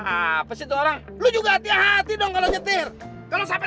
apa sih itu orang lu juga hati hati dong kalau nyetir kalau sampai